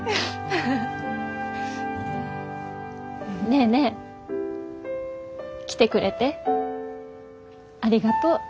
ネーネー来てくれてありがとう。